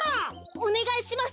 おねがいします！